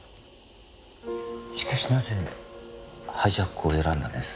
しかしなぜハイジャックを選んだんです？